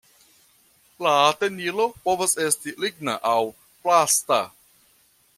La tenilo povas esti ligna aŭ plasta.